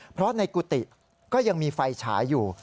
เพราะในกุฏิก็ยังมีไฟฉายอยู่